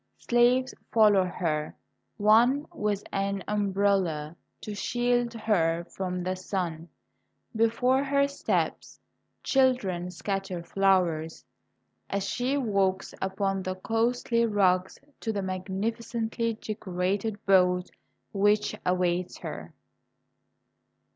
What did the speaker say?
Slaves follow her, one with an umbrella to shield her from the sun. Before her steps, children scatter jflowers, as she walks upon the costly rugs to the mag nificently decorated boat which awaits her.